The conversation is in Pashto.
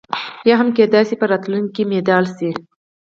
یا هم کېدای شي په راتلونکي کې مدلل شي.